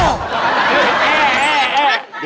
อาหารการกิน